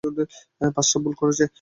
পাঁচটা ভুল করেছো।